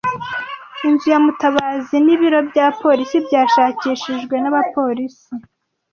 Inzu ya Mutabazi n'ibiro bya polisi byashakishijwe n'abapolisi.